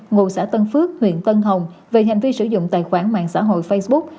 ngụ xã tân phước huyện tân hồng về hành vi sử dụng tài khoản mạng xã hội facebook